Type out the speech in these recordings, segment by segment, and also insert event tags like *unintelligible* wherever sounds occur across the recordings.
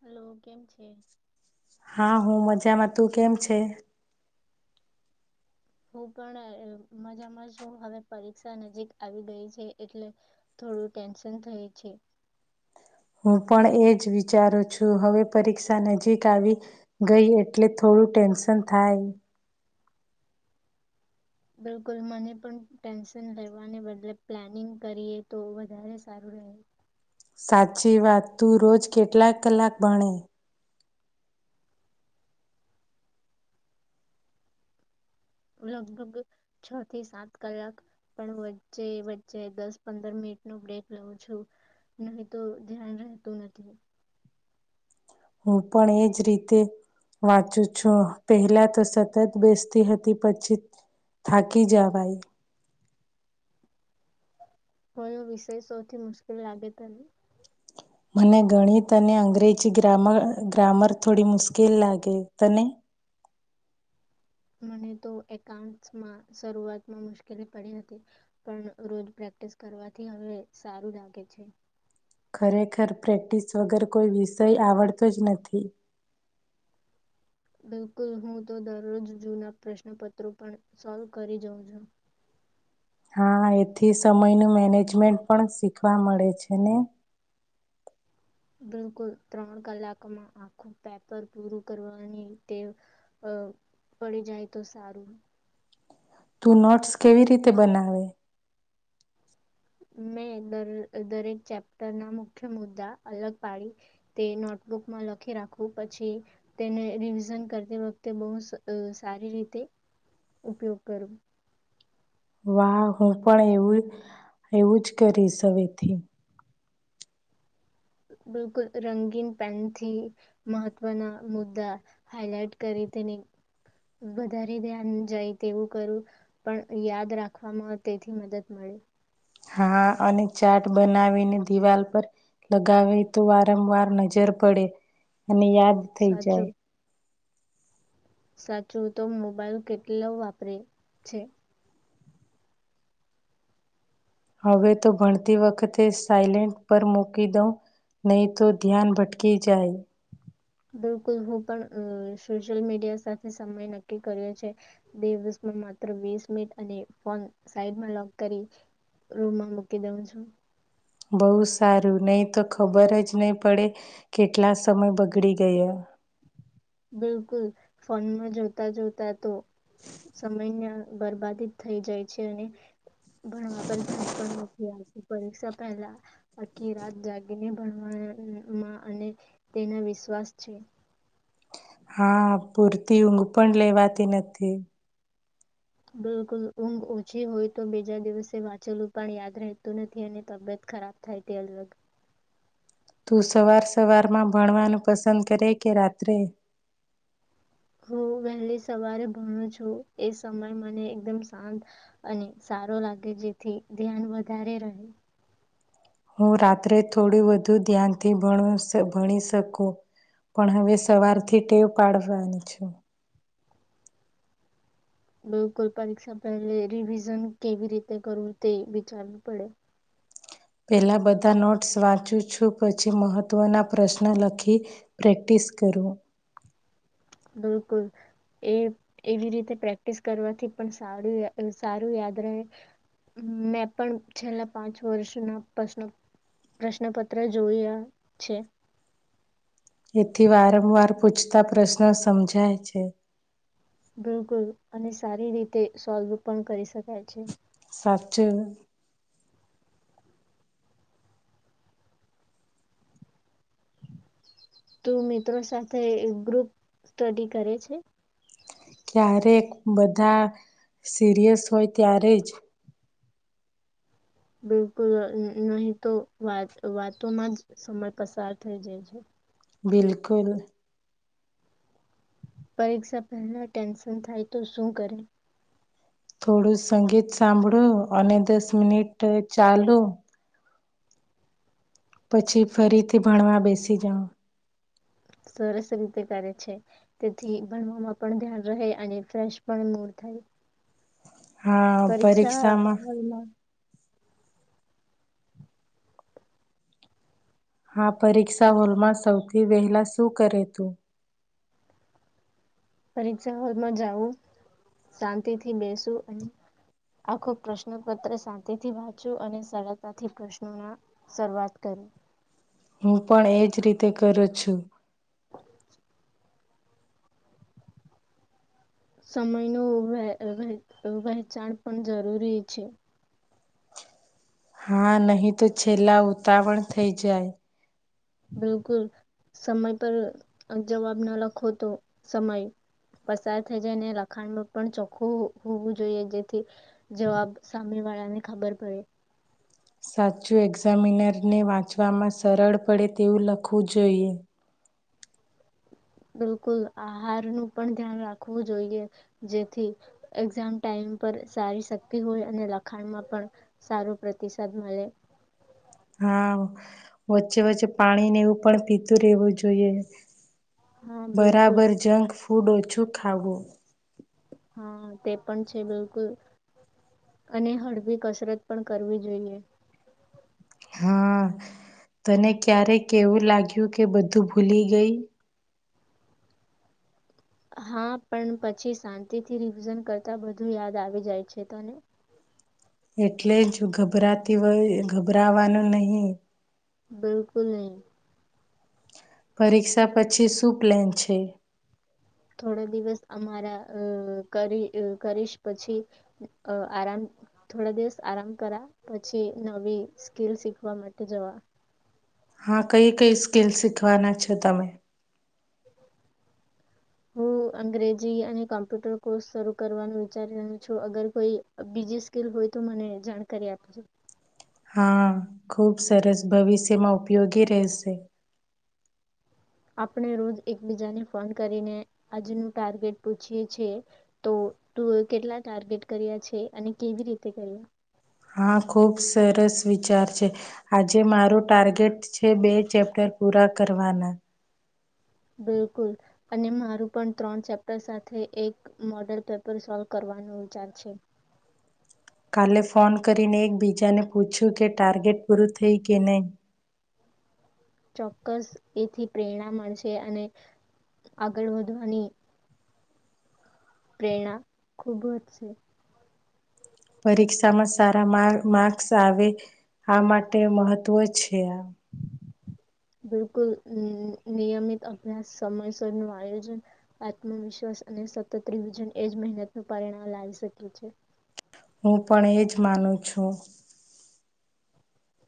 Hello કેમ છે. હા હું મજામાં તું કેમ છે. હું પણ મજામાં છું હવે પરીક્ષા નજીક આવી રહી છે એટલે થોડું ટેન્શન થાય છે. હું પણ એ જ વિચારું છું હવે પરીક્ષા નજીક આવી ગઈ એટલે થોડું ટેન્શન થાય બિલકુલ મને પણ ટેન્શન લેવાને બદલે પ્લાનિંગ કરીએ તો વધારે સારું રહે સાચી વાત તું રોજ કેટલાક કલાક ભણે લગભગ છ થી સાત કલાક પણ વચ્ચે વચ્ચે દસ પંદર મિનિટ નું બ્રેક લઉું છું નહી તો ધ્યાન રહેતું નથી હું પણ એજ રીતે વાંચું છું પહેલા તો સતત બેસતી હતી પછી થાકી જવાઈ. કયો વિષય સૌથી મુશ્કેલ લાગે ત. મને ગણિત અને અંગ્રેજી ગ્રામર ગ્રામર થોડી મુશ્કેલ લાગે તને મને તો એકાઉન્ટ્સમાં શરૂઆતમાં મુશ્કેલી પડી હતી પણ રોજ પ્રેક્ટિસ કરવાથી હવે સારું લાગે છે. ખરેખર પ્રેક્ટિસ વગર કોઈ વિષય આવડતો જ નથી બિલકુલ હું તો દરરોજ જૂના પ્રશ્નપત્રો પણ સોલ કરી જાઉં છું હા એથી સમયનું મેનેજમેન્ટ પણ શીખવા મળે છે ને બિલકુલ ત્રણ કલાકમાં આખું પેપર પૂરું કરવાની ટેવ અ પડી જાય તો સારું તું નોટ્સ કેવી રીતે બનાવે મેં દર દરેક ચેપ્ટર ના મુખ્ય મુદ્દા અલગ પાડી તે નોટબુકમાં લખી રાખવું પછી તેને રિવિઝન કરતી વખતે બહુ સારી રીતે ઉપયોગ કરવો વાહ હું પણ એમજ એવું જ કરીશ હવેથી બિલકુલ રંગીન પેનથી મહત્વના મુદ્દા હાઈલાઈટ કરી તેને વધારે ધ્યાન જાય તેવું કરું પણ યાદ રાખવામાં તેથી મદદ મળે હા અને ચાર્ટ બનાવીને દિવાલ પર લગાવે તો વારંવાર નજર પડે અને યાદ થઈ જાય સાચું સાચું તો મોબાઈલ કેટલો વાપરે છે. હવે તો ભણતી વખતે સાયલેન્ટ પર મૂકી દઉં નહી તો ધ્યાન ભટકી જાય બિલકુલ હું પણ અ સોશિયલ મીડિયા સાથે સમય નક્કી કર્યો છે. દિવસમાં માત્ર વીસ મિનિટ અને ફોન સાઈડ લોક કરી રૂમ માં મૂકી દઉં છું બહુ સારું નહીં તો ખબરજ નહી પડે કેટલા સમય બગડી ગયો બિલકુલ ફોનમાં જોતા જોતા તો સમયને બરબાદી થઈ જાય છે અને ભણવા પર ધ્યાન પણ નથી આવતું પરીક્ષા પહેલા આખી રાત જાગીને ભણવામાં અને તેના વિશ્વાસ છે. હા પૂરતી ઊંઘ પણ લેવાતી નથી બિલકુલ ઊંઘ ઓછી હોય તો બીજા દિવસે વાંચેલું પણ યાદ રહેતું નથી અને તબિયત ખરાબ થાય તે અલગ. તું સવાર સવારમાં ભણવાનું પસંદ કરે કે રાત્રે. હું વહેલી સવારે ભણું છું એ સમય મને એકદમ શાંત. અને સારો લાગે જેથી ધ્યાન વધારે રહે. હું રાત્રે થોડું વધુ ધ્યાનથી ભણુશુ ભણી શકું. પણ હવે સવારથી ટેવ પાડવાની છે. બિલકુલ પરીક્ષા પહેલે રિવિઝન કેવી રીતે કરવું તે વિચારવું પડે. પહેલાં બધા નોટ્સ વાંચું છું પછી મહત્ત્વના પ્રશ્ન લખી. પ્રેક્ટિસ કરું. બિલકુલ. એ એવી રીતે પ્રેક્ટિસ કરવાથી પણ સારું સારું યાદ રહે મેં પણ છેલ્લા પાંચ વર્ષ ના પ્રશ્નો પ્રશ્નપત્ર જોયા છે એથી વારંવાર પૂછતા પ્રશ્નો સમજાય છે બિલકુલ અને સારી રીતે સોલ્વ પણ કરી શકાય છે સાચે તું મિત્રો સાથે ગ્રુપ સ્ટડી કરે છે ક્યારેક બધા સિરિયસ હોય ત્યારે જ બિલકુલ નહી તો વાત વાતોમાં જ સમય પસાર થઈ જાય છે બિલકુલ પરીક્ષા પહેલા ટેન્શન થાય તો શું કરુ થોડું સંગીત સાંભળું અને દસ મિનિટ ચાલુ પછી ફરીથી ભણવા બેસી જઉં સરસ રીતે કરે છે તેથી ભણવામાં પણ ધ્યાન રહે અને ફ્રેશ પણ મૂડ થાય હા પરીક્ષામાં એમાં હા પરીક્ષા હોલમાં સૌથી વહેલા શું કરે તું પરીક્ષા હોલમાં જવું શાંતિ થી બેસુ અને આખો પ્રશ્નપત્ર શાંતિથી વાંચો અને સરળતાથી પ્રશ્નોના શરૂઆત કરી હું પણ એજ રીતે કરું છું *inaudible* સમય ન *unintelligible* વહેચાણ પણ જરૂરી છે હા નહીં તો છેલ્લા ઉતાવળ થઈ જાય બિલકુલ સમય પર જવાબ ના લખો તો સમય પસાર થઈ જાય અનેને લખાણમાં પણ ચોખ્ખું હોવું જોઈએ જેથી જવાબ સામે વાળાને ખબર પડે સાચું એક્ઝામિનરને વાંચવામાં સરળ પડે તેવું લખવું જોઈએ બિલકુલ આહાર નું પણ ધ્યાન રાખવું જોઈએ જેથી એક્ઝામ ટાઈમ પર સારી શક્તિ હોય અને લખાણ માં પણ સારું પ્રતિસાદ મળે હા વચ્ચે વચ્ચે પાણીને એવું પણ પીતું રહેેવું જોઈએ હા બિલકુલ બરાબર જંક ફૂડ ઓછું ખાવું હા તે પણ છે બિલકુલ અને હળવી કસરત પણ કરવી જોઈએ હા તને ક્યારેક એવું લાગ્યું કે બધું ભૂલી ગઈ હા પણ પછી શાંતિથી રિવિઝન કરતા બધું યાદ આવી જાય છે તને એટલે જ ગભરાતી હોય ગભરાવાનું નહિ બિલકુલ નહીં પરીક્ષા પછી શું પ્લાન છે થોડો દિવસ અમારા અ કરી કરીશ પછી આરામ થોડા દિવસ આરામ કરા પછી નવી સ્કીલ શીખવા માટે જવા હા કઈ કઈ સ્કીલ શીખવાના છો તમે હું અંગ્રેજી અને કોમ્પ્યુટર કોર્સ શરૂ કરવાનું વિચારી રહી છું અગર કોઈ બીજી સ્કીલ હોય તો મને જાણકારી આપજો હા ખૂબ સરસ ભવિષ્યમાં ઉપયોગી રહેશે આપણે રોજ એકબીજાને ફોન કરીને આજનું ટાર્ગેટ પૂછીએ છીએ તો તુંએ કેટલા ટાર્ગેટ કર્યા છે અને કેવી રીતે કર્યા હા ખૂબ સરસ વિચાર છે આજે મારું ટાર્ગેટ છે, બે ચેપ્ટર પૂરા કરવાના. બિલકુલ. અને મારું પણ ત્રણ ચેપ્ટર સાથે એક મોડલ પેપર સોલ્વ કરવાનો વિચાર છે. કાલે ફોન કરીને, એકબીજાને પૂછ્યું કે, ટાર્ગેટ પૂરું થઈ કે, નહીં. ચોક્કસ એથી પ્રેરણા મળશે, અને આગળ વધવાની પ્રેરણા ખુબ વધશે. પરીક્ષામાં સારા માર્ક્સ આવે, આ માટે મહત્વ છે. બિલકુલ હમ્મ, નિયમિત અભ્યાસ, સમયસર નું આયોજન આત્મવિશ્વાસ અને સતત રિવઝન એજ મહેનત નુ પરિણામ લાવી શકીયે છે. હું પણ એજ માનું છું.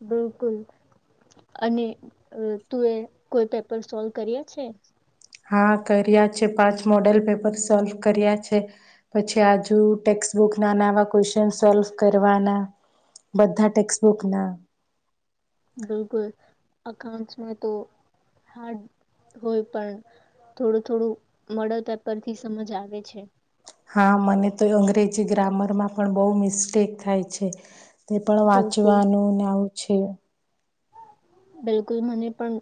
બિલકુલ. અને તુ એ કોઈ પેપર સોલ્વ કર્યા છે? હા કર્યા છે, પાંચ મોડેલ પેપર સોલ્વ કર્યા છે. પછી આજુ ટેક્સબુક ના નાવા ક્વેશ્ચન સોલ્વ કરવાના. બધા ટેક્સ્ટબુક ના બિલકુલ, અકાઉંન્ટસ મા તો હાડ હોય પણ, થોડું થોડું મળે તે પરથી સમજ આવે છે. હા મને તો અંગ્રેજી ગ્રામરમાં પણ બહુ મિસ્ટેક થાય છે. તે પણ બિલકુલ વાંચવાનું ને આવું છે. બિલકુલ મને પણ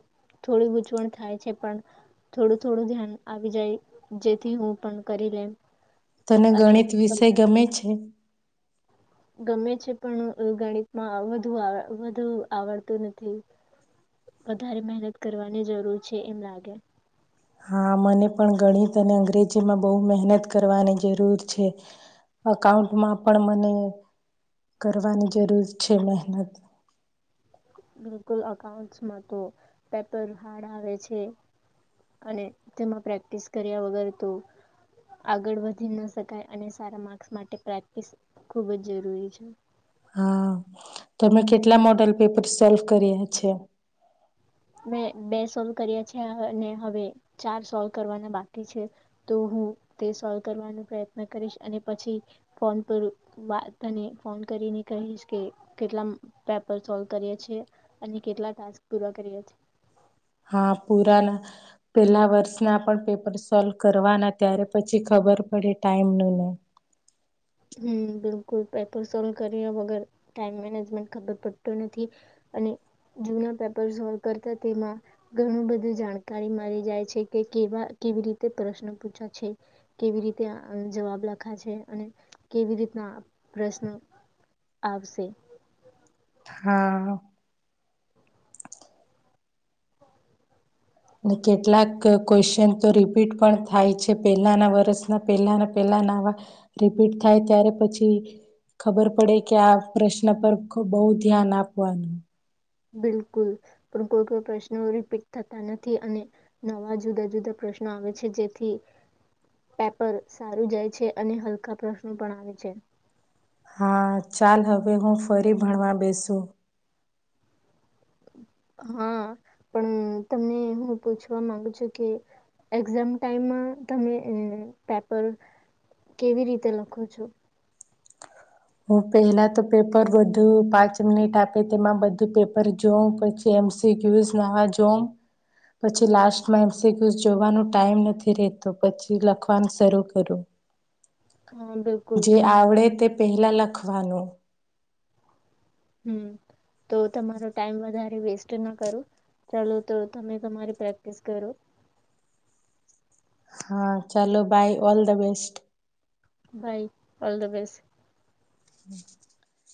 થોડી ગૂંચવણ થાય છે પણ થોડું થોડું ધ્યાન આવી જાય, જેથી હું પણ કરી લેમ. તને અને ગણિત વિષય ગમે છે? ગમે છે પણ ગણિતમાં વધુ વધુ આવડતું નથી. વધારે મહેનત કરવાની જરૂર છે એમ લાગે. હા મને પણ ગણિત અને અંગ્રેજીમાં બહુ મહેનત કરવાની જરૂર છે. અકાઉન્ટમાં પણ મને કરવાની જરૂર છે મહેનત. બિલકુલ અકાઉન્ટસમાં તો પેપર હાર્ડ આવે છે. અને તેમાં પ્રેક્ટિસ કર્યા વગર તો આગળ વધી ન શકાય અને સારા માર્ક્સ માટે પ્રેક્ટિસ ખુબ જ જરૂરી છે. હા, તમે કેટલા મોડલ પેપર સોલ્વ કર્યા છે? મેં બે સોલ્વ કર્યા છે અને હવે ચાર સોલ્વ કરવાના બાકી છે. તો હું તે સોલ્વ કરવાનો પ્રયત્ન કરીશ અને પછી ફોન પર વાત અને ફોન કરીને કહીશ કે કેટલા પેપર સોલ્વ કરીએ છીએ, અને કેટલા ટાસ્ક પૂરા કરીએ છી હા પૂરાના. પેલા વર્ષના પણ પેપર સોલ્વ કરવાના ત્યારે પછી ખબર પડે ટાઈમ ની. હમ્મ, બિલકુલ પેપર સોલ્વ કર્યો વગર, ટાઈમ મેનેજમેન્ટ ખબર પડતું નથી. અને જૂના પેપર સોલ્વ કરતા તેમાં. ઘણું બધું જાણકારી મળી જાય છે કે કેવા કેવી રીતે પ્રશ્ન પૂછે છે. કેવી રીતે આન જવાબ લખા છે, અને કેવી રીતના પ્રશ્ન આવશે. હા. અને કેટલાક ક્વેશ્ચન તો રિપીટ પણ થાય છે પહેલાના વર્ષના પહેલાના પહેલા નાવા રિપીટ થાય ત્યારે પછી ખબર પડે કે આ પ્રશ્ન પર બહુ ધ્યાન આપવાનું. બિલકુલ, પણ કોઈ કોઈ પ્રશ્નો રિપીટ થતા નથી અને નવા જુદા જુદા પ્રશ્નો આવે છે, જેથી પેપર સારું જાય છે, અને હલકા પ્રશ્નો પણ આવે છે. હા ચાલ હવે હું ફરી ભણવા બેસુ. હા, પણ તમને હું પૂછવા માંગુ છું કે એક્ઝામ ટાઈમમાં તમે પેપર કેવી રીતે લખો છો હું પહેલા તો પેપર બધું પાંચ મિનિટ આપે તેમાં બધું પેપર જોઉં પછી એમ સી ક્યવીઝ ને આવા જોમ પછી લાસ્ટમાં એમ સી કુઉજ જોવાનો ટાઈમ નથી રહેતો પછી લખવાનું શરૂ કરું હા બિલકુલ જે આવડે તે પહેલાં લખવાનું હમ્મ તો તમારો ટાઈમ વધારે વેસ્ટ ના કરુ ચાલો તો તમે તમારી પ્રેક્ટિસ કરો હા ચાલો bye all the best bye all the best *inaudible*